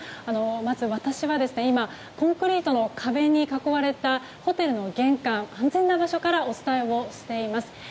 まず私は今コンクリートの壁に囲われたホテルの玄関、安全な場所からお伝えしています。